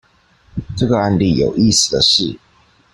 這個案例有意思的是